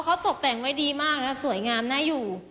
เขาตกแต่งไว้ดีมากนะสวยงามน่าอยู่